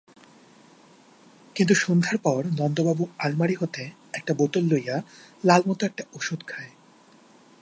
কিন্তু সন্ধ্যার পরে নন্দবাবু আলমারি হইতে একটা বোতল লইয়া লাল-মতো একটা ঔষধ খায়।